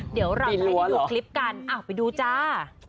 เดี๋ยวเรามาให้ดูคลิปกันอ้าวไปดูจ้า